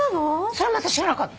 それもあたし知らなかった。